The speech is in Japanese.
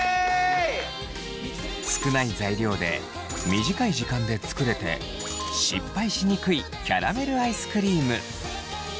少ない材料で短い時間で作れて失敗しにくいキャラメルアイスクリーム。